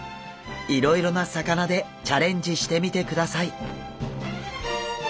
いろいろな魚でチャレンジしてみてください！